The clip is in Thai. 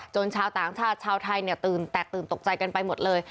ชาวต่างชาติชาวไทยตื่นแตกตื่นตกใจกันไปหมดเลย